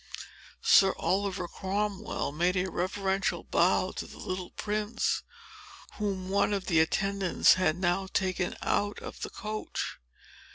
Sir Oliver Cromwell made a reverential bow to the little prince, whom one of the attendants had now taken out of the coach.